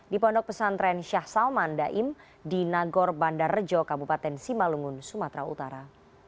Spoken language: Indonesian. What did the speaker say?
di pondok pesantren syah salman daim di nagor bandarjo kabupaten simalungun sumatera utara